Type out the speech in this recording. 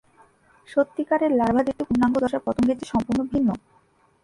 সত্যিকারের লার্ভা দেখতে পূর্ণাঙ্গ দশার পতঙ্গের চেয়ে সম্পূর্ণ ভিন্ন।